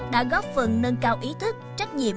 đã góp phần nâng cao ý thức trách nhiệm